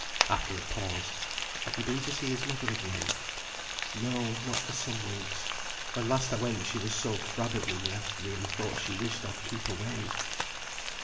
After a pause. "Have ye been to see his mother of late?" "No; not for some weeks. When last I went she was so frabbit with me, that I really thought she wished I'd keep away."